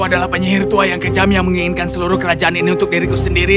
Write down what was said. adalah penyihir tua yang kejam yang menginginkan seluruh kerajaan ini untuk diriku sendiri